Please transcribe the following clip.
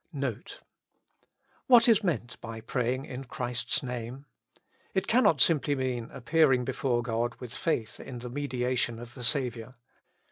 NOTE. " What is meant by praying in Christ's name? It cannot mean simply appearing before God with faith in the mediation of the Saviour.